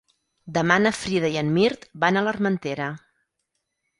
Demà na Frida i en Mirt van a l'Armentera.